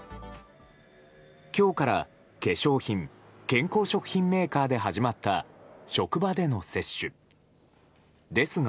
今日から化粧品・健康食品メーカーで始まった職場での接種。ですが。